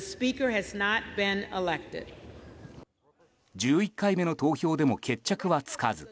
１１回目の投票でも決着はつかず。